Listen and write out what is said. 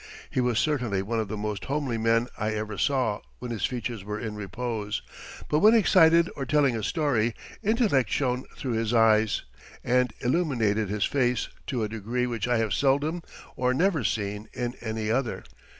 He was certainly one of the most homely men I ever saw when his features were in repose; but when excited or telling a story, intellect shone through his eyes and illuminated his face to a degree which I have seldom or never seen in any other.